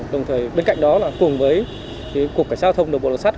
đồng thời bên cạnh đó là cùng với cục cảnh giao thông đồng bộ đồng sát